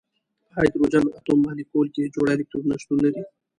په هایدروجن اتوم مالیکول کې جوړه الکترونونه شتون لري.